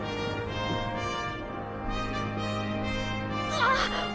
あっ！